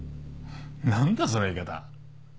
何だその言い方。